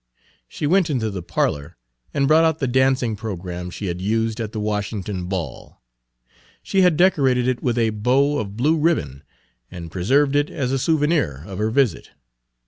She went into the parlor and brought out the dancing programme she had used at the Washington ball. She had decorated it with a bow of blue ribbon and preserved it as a souvenir of her visit.